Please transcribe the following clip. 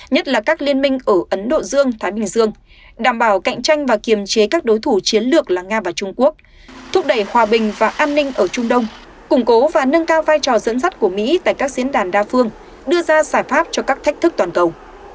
nhất là các liên minh ở ấn độ dương thái bình dương đảm bảo cạnh tranh và kiềm chế các đối thủ chiến lược là nga và trung quốc thúc đẩy hòa bình và an ninh ở trung đông củng cố và nâng cao vai trò dẫn dắt của mỹ tại các diễn đàn đa phương đưa ra giải pháp cho các thách thức toàn cầu